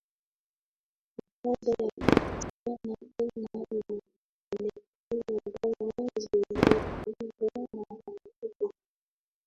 Baada ya kupatikana tena ametumia dawa zilizopigwa marufuku